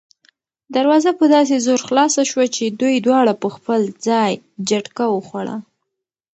دروازه په داسې زور خلاصه شوه چې دوی دواړه په خپل ځای جټکه وخوړه.